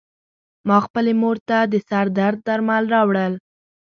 ما خپلې مور ته د سر درد درمل راوړل .